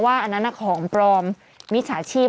อันนั้นของปลอมมิจฉาชีพ